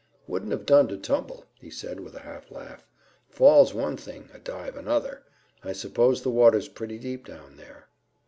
"Wouldn't have done to tumble," he said with a hall laugh. "Fall's one thing, a dive another. I suppose the water's pretty deep down there."